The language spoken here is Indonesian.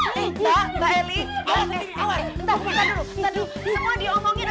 tante dulu semua diomongin